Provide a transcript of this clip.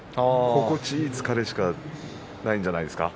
心地いい疲れしかないんじゃないですか。